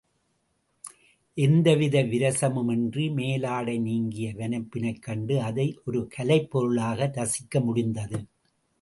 எந்தவித விரசமுமின்றி மேலாடை நீங்கிய வனப்பினைக் கண்டு அதை ஒரு கலைப்பொருளாக ரசிக்க முடிந்தது.